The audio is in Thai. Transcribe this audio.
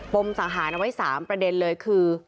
มสังหารเอาไว้๓ประเด็นเลยคือ